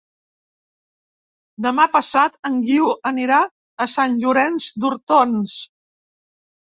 Demà passat en Guiu anirà a Sant Llorenç d'Hortons.